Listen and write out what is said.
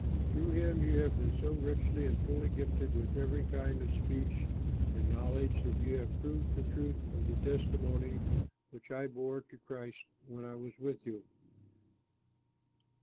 Through him you have been so richly and fully gifted with every kind of speech and knowledge that you have proved the truth of the testimony which I bore to Christ when I was with you.